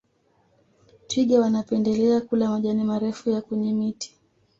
twiga wanapendelea kula majani marefu ya kwenye miti